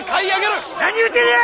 何言うてんねや！